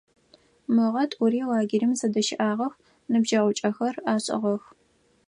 Мыгъэ тӏури лагерым зэдыщыӏагъэх, ныбджэгъукӏэхэр ашӏыгъэх.